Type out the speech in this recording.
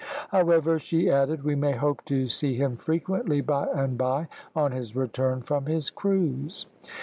"However," she added, "we may hope to see him frequently by and by, on his return from his cruise."